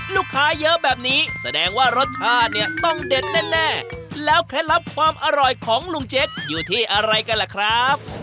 ลูกค้าเยอะแบบนี้แสดงว่ารสชาติเนี่ยต้องเด็ดแน่แล้วเคล็ดลับความอร่อยของลุงเจ๊กอยู่ที่อะไรกันล่ะครับ